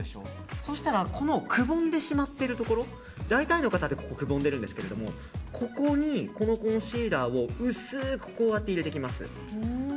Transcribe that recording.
そうしたらくぼんでしまっているところ大体の方ってくぼんでるんですがここにこのコンシーラーを薄く入れていきます。